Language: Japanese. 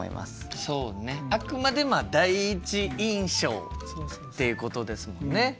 そうねあくまで第一印象ってことですもんね。